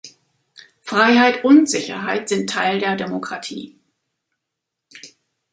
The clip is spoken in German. Freiheit und Sicherheit sind Teil der Demokratie.